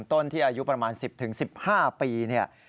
ต้นที่อายุประมาณ๑๐๑๕ปีเนี่ย